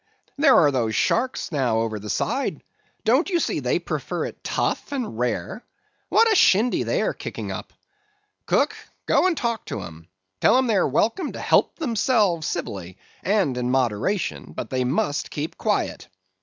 There are those sharks now over the side, don't you see they prefer it tough and rare? What a shindy they are kicking up! Cook, go and talk to 'em; tell 'em they are welcome to help themselves civilly, and in moderation, but they must keep quiet.